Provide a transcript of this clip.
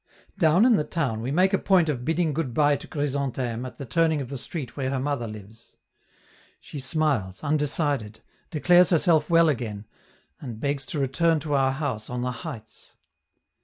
Down in the town, we make a point of bidding goodby to Chrysantheme at the turning of the street where her mother lives. She smiles, undecided, declares herself well again, and begs to return to our house on the heights.